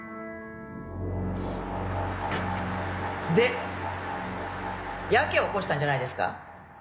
でやけを起こしたんじゃないですか？